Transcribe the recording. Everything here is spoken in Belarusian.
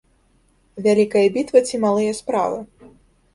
Вялікая бітва ці малыя справы?